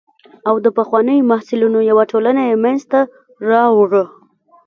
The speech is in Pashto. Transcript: او د پخوانیو محصلینو یوه ټولنه یې منځته راوړه.